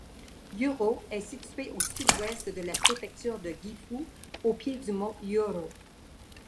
Yōrōest situé au sud-ouest de la préfecture de Gifu, au pied du mont Yōrō.